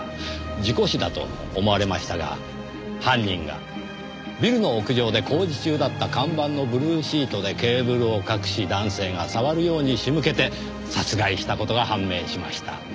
事故死だと思われましたが犯人がビルの屋上で工事中だった看板のブルーシートでケーブルを隠し男性が触るように仕向けて殺害した事が判明しました。